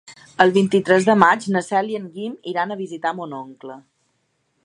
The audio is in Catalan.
El vint-i-tres de maig na Cel i en Guim iran a visitar mon oncle.